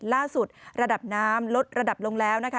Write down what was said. ระดับน้ำลดระดับลงแล้วนะคะ